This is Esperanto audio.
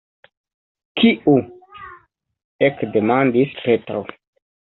Kiu? ekdemandis Petro.